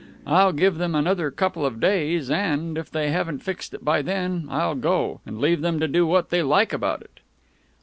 I'll give them another couple of days, and, if they haven't fixed it by then, I'll go, and leave them to do what they like about it."